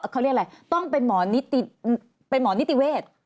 เขาเรียกอะไรต้องเป็นหมอนิติเวทย์